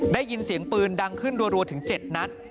ได้ยินเสียงปืนดังขึ้นรัวถึง๗นัด